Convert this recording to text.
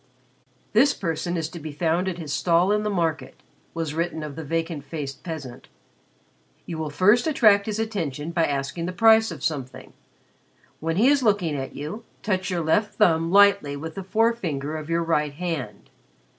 "This person is to be found at his stall in the market," was written of the vacant faced peasant. "You will first attract his attention by asking the price of something. When he is looking at you, touch your left thumb lightly with the forefinger of your right hand.